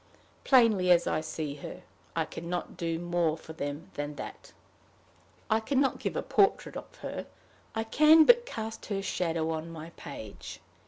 Plainly as I see her, I can not do more for them than that. I can not give a portrait of her; I can but cast her shadow on my page.